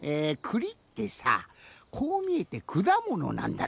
くりってさこうみえてくだものなんだって。